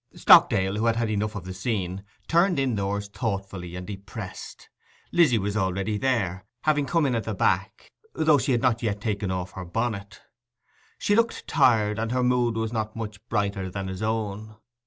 Stockdale, who had had enough of the scene, turned indoors thoughtful and depressed. Lizzy was already there, having come in at the back, though she had not yet taken off her bonnet. She looked tired, and her mood was not much brighter than his own.